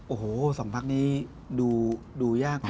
โอ้โหสองพักนี้ดูยาก